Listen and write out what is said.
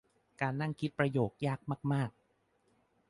การนั่งคิดประโยคยากมากมาก